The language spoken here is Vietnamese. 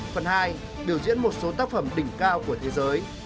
phần hai biểu diễn một số tác phẩm đỉnh cao của thế giới